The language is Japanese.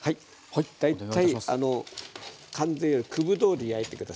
大体完全より九分どおり焼いて下さいね。